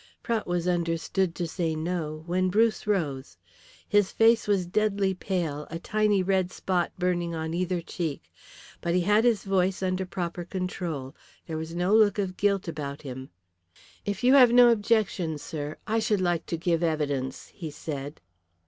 Prout was understood to say no, when Bruce rose. His face was deadly pale, a tiny red spot burning on either cheek. But he had his voice under proper control; there was no look of guilt about him. "If you have no objection, sir, I should like to give evidence," he said.